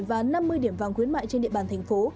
và năm mươi điểm vàng khuyến mại trên địa bàn thành phố